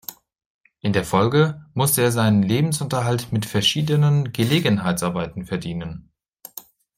In der Folge musste er seinen Lebensunterhalt mit verschiedenen Gelegenheitsarbeiten verdienen.